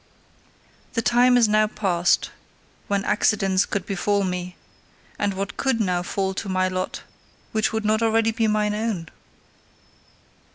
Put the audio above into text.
The time is now past when accidents could befall me; and what COULD now fall to my lot which would not already be mine own!